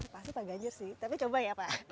pasti pak ganjar sih tapi coba ya pak